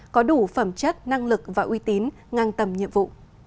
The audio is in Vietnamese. có đủ phẩm chất năng lực và uy tín ngang tầm nhiệm vụ